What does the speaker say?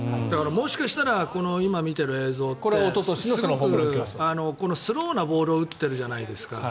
もしかしたら今見てる映像ってこのスローなボールを打ってるじゃないですか。